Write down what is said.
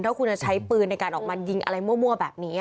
ถ้าคุณจะใช้ปืนในการออกมายิงอะไรมั่วแบบนี้